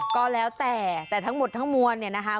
ก็แล้วแต่แต่ทั้งหมดทั้งมวลเนี่ยนะคะ